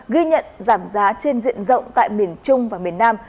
ghi nhận giảm giá trên diện rộng tại miền trung và miền nam